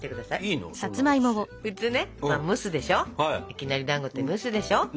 いきなりだんごって蒸すでしょ？